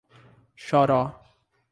Choró